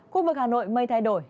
khu vực hà nội mây thay đổi